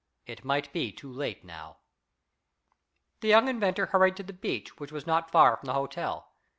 It might be too late now. The young inventor hurried to the beach, which was not far from the hotel.